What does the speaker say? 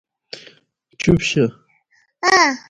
تنوع د افغانستان د ټولنې لپاره بنسټيز رول لري.